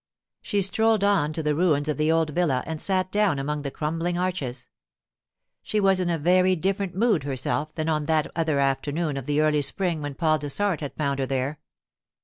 She strolled on to the ruins of the old villa and sat down among the crumbling arches. She was in a very different mood herself than on that other afternoon of the early spring when Paul Dessart had found her there.